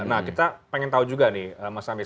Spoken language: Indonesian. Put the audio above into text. nah kita pengen tahu juga nih mas amis